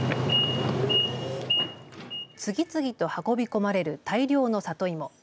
次々と運び込まれる大量の里芋。